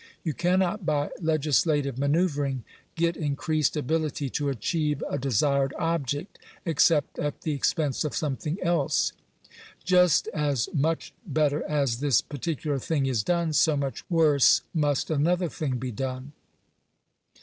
You* cannot, by legislative manoeuvring, get increased ability to achieve a desired object, except at the expense of something else. Just as nuioh better as this particular thing is done, so much worse must another thing be done.